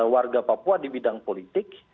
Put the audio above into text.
warga papua di bidang politik